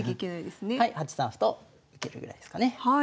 ８三歩と受けるぐらいですかね。